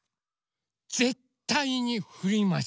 ぜったいにふります。